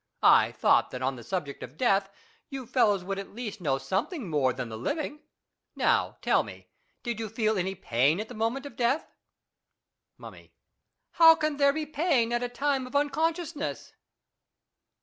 I thought that on the subject of death you fellows would at least know something more than the living. Now tell me, did you feel any pain at the point of death ? Mummy. How can there be pain at a time of uncon sciousness